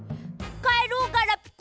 かえろうガラピコ。